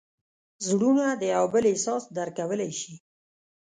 زړونه د یو بل احساس درک کولی شي.